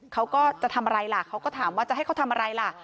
เขาก็จะทำอะไรล่ะเขาก็ถามว่าจะให้เขาทำอะไรล่ะ